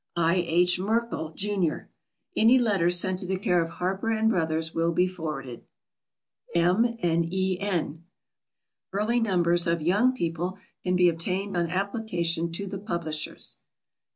I. H. MIRKIL, JUN. Any letters sent to the care of Harper & Brothers will be forwarded. M. AND E. N. Early numbers of YOUNG PEOPLE can be obtained on application to the publishers.